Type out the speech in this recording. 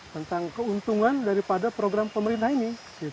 tentang keuntungan daripada program pemerintah ini